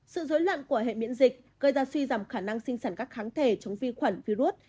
sự dối loạn của hệ miễn dịch gây ra suy giảm khả năng sinh sản các kháng thể chống vi khuẩn virus